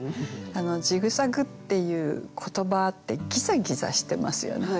「ジグザグ」っていう言葉ってギザギザしてますよね。